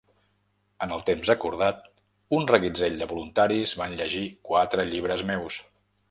En el temps acordat, un reguitzell de voluntaris van llegir quatre llibres meus.